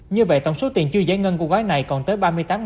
như vậy tổng số tiền chưa giải ngân của gói này còn tới